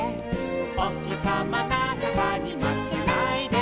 「おひさまなんかにまけないで」